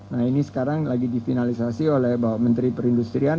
nah ini sekarang lagi difinalisasi oleh bapak menteri perindustrian